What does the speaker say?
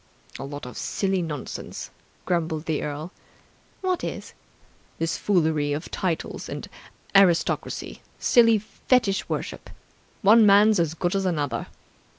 "A lot of silly nonsense!" grumbled the earl. "What is?" "This foolery of titles and aristocracy. Silly fetish worship! One man's as good as another.